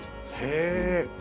へえ。